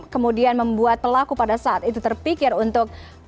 kemudian membuat pelaku pada saat itu terpikir untuk